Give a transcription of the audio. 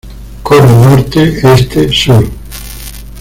Cono Norte, Este, Sur"".